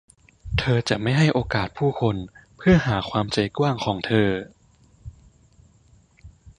เธอจะไม่ให้โอกาสผู้คนเพื่อหาความใจกว้างของเธอ